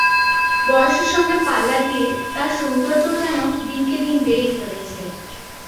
বয়সের সঙ্গে পাল্লা দিয়ে তাঁর সৌন্দর্যও যেন দিনকে দিন বেড়েই চলেছে।